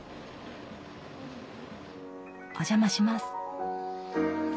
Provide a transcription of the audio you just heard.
お邪魔します。